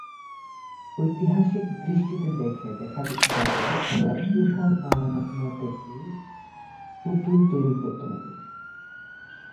ঐতিহাসিক দৃষ্টিতে দেখলে দেখা যাবে সভ্যতার ঊষা লগ্ন থেকেই পুতুল তৈরি করত মানুষ।